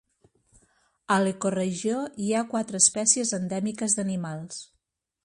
A l’ecoregió hi ha quatre espècies endèmiques d’animals.